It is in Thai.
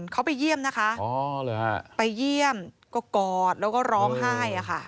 เขาไปเยี่ยมนะคะไปเยี่ยมก็กอดแล้วก็ร้องไห้